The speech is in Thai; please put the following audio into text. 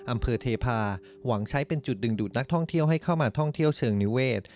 อำเภอเทพาหวังใช้เป็นจุดดึงดูดนักท่องเที่ยวให้เข้ามาท่องเที่ยวเชิงนิเวศ